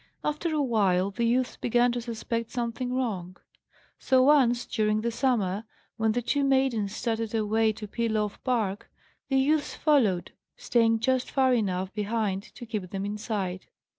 After awhile the youths began to suspect something wrong. So once during the summer, when the two maidens started away to peel off bark, the youths followed, staying just far enough behind to keep them in sight.